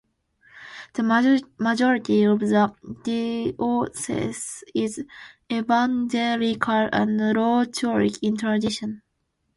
The majority of the diocese is evangelical and low church in tradition.